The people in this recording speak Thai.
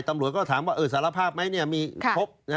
ตำรวจก็ถามว่าสารภาพไหมมีพบ